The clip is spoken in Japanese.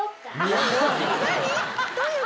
どういう事？